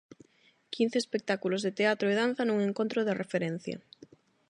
Quince espectáculos de teatro e danza nun encontro de referencia.